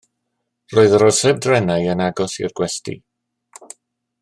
Roedd yr orsaf drenau yn agos i'r gwesty.